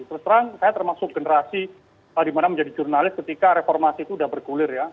terus terang saya termasuk generasi dimana menjadi jurnalis ketika reformasi itu sudah bergulir ya